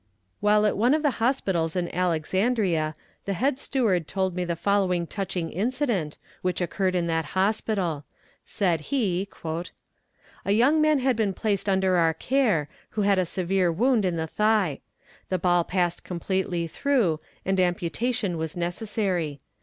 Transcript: While at one of the hospitals in Alexandria, the head steward told me the following touching incident, which occurred in that hospital. Said he: "A young man had been placed under our care, who had a severe wound in the thigh. The ball passed completely through, and amputation was necessary.